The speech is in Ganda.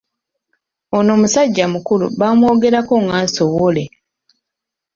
Ono musajja mukulu bamwogerako nga Nsowole.